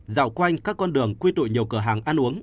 dạo quanh các con đường quy tụ nhiều cửa hàng ăn uống